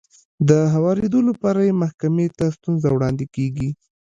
د هوارېدو لپاره يې محکمې ته ستونزه وړاندې کېږي.